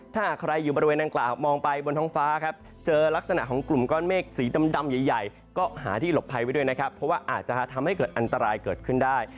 ถ้าหากใครอยู่บริเวณดังกล่าวมองไปบนท้องฟ้าครับเจอลักษณะของกลุ่มก้อนเมฆสีดำใหญ่ก็หาที่หลบภัยไว้ด้วยนะครับเพราะว่าอาจจะทำให้เกิดอันตรายเกิดขึ้นได้